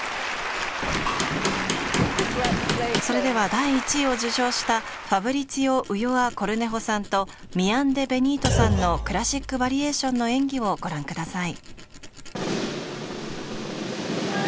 それでは第１位を受賞したファブリツィオ・ウヨア・コルネホさんとミヤン・デ・ベニートさんのクラシック・バリエーションの演技をご覧下さい。